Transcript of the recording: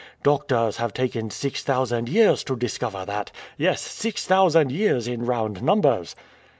Doctors have taken six thousand years to discover that! Yes, six thousand years in round numbers!"